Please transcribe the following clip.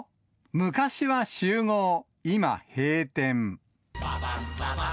昔は集合今閉店。